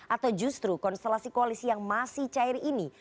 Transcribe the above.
atau justru konstelasi koalisi yang masih cair ini